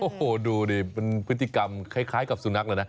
โอ้โหดูดิเป็นพฤติกรรมคล้ายกับสุนัขเลยนะ